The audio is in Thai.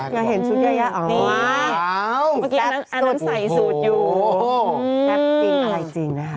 แบบเยี่ยมใส่ชุดอยู่